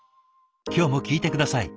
今日も聞いて下さい。